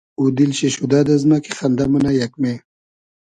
او دیل شی شودۂ دئزمۂ کی خئندۂ مونۂ یئگمې